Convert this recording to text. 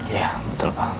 ya betul pak